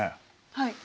はい。